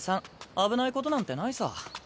危ないことなんてないさ。